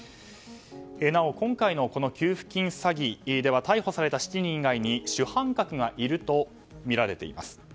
なお、今回の給付金詐欺では逮捕された７人以外に主犯格がいるとみられています。